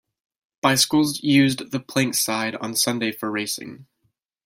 Bicycles used the plank side on Sunday for racing.